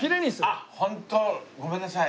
あっホントごめんなさい。